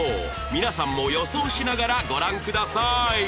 皆さんも予想しながらご覧ください